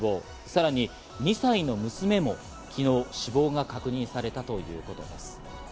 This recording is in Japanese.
さらに２歳の娘も昨日、死亡が確認されたということです。